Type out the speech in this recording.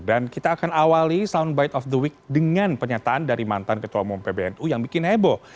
dan kita akan awali soundbite of the week dengan penyataan dari mantan ketua umum pbnu yang bikin heboh